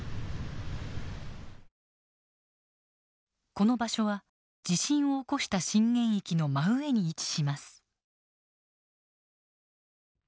この場所は地震を起こした震源域の真上に位置します。